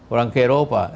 orang ke eropa